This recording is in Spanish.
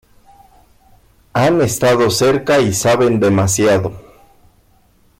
Han estado cerca y saben demasiado.